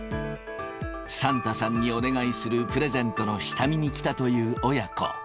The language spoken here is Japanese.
サンタさんにお願いするプレゼントの下見に来たという親子。